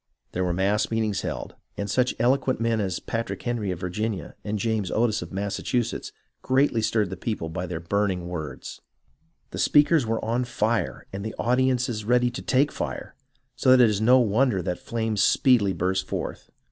There were mass meetings held, and such eloquent men as Patrick Henry of Virginia and "J0i THE BEGINNINGS OF THE TROUBLE II James Otis of Massachusetts greatly stirred the people by their burning words. The speakers were on fire, and the audiences ready to take fire, so that it is no wonder that flames speedily burst forth.